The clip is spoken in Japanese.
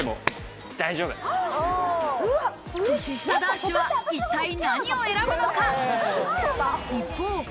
年下男子は、一体何を選ぶのか？